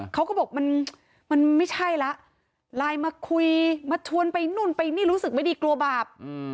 เขาก็บอกมันไม่ใช่ละไลน์มาคุยมาชวนไปนู่นไปนี่รู้สึกไม่ดีกลัวบาป